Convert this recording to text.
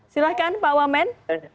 silahkan pak wamen